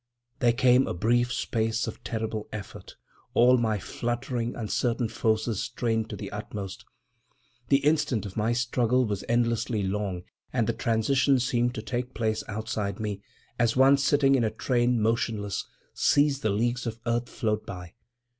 There came a brief space of terrible effort, all my fluttering, uncertain forces strained to the utmost. The instant of my struggle was endlessly long and the transition seemed to take place outside me—as one sitting in a train, motionless, sees the leagues of earth float by.